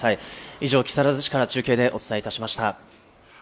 以上、木更津市からお伝えしました。